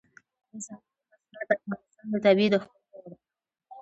دځنګل حاصلات د افغانستان د طبیعت د ښکلا یوه برخه ده.